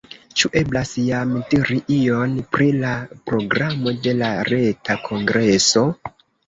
Ĉu eblas jam diri ion pri la programo de la reta kongreso?